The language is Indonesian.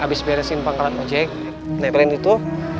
habis beresin pangkalan ojek neterin itu